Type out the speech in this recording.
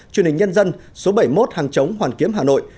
truyền hình nhân dân số bảy mươi một hàng chống hoàn kiếm hà nội